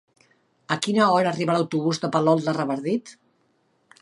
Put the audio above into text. A quina hora arriba l'autobús de Palol de Revardit?